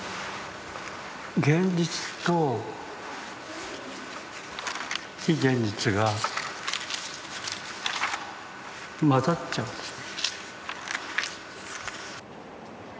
現実と非現実がまざっちゃうんですね。